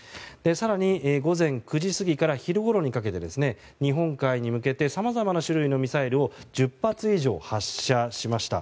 更に午前９時過ぎから昼ごろにかけて日本海に向けてさまざまな種類のミサイルを１０発以上発射しました。